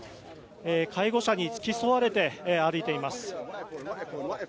介護者に付き添われて歩いています。